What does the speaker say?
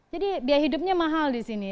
jadi biaya hidupnya mahal di sini